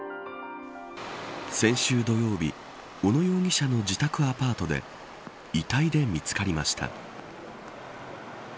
先週土曜日小野容疑者の自宅アパートで遺体で見つかりました。